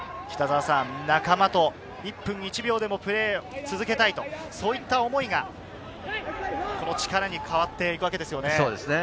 仲間と１分１秒でもプレーを続けたいとそういった思いが力に変わっていくわけですよね。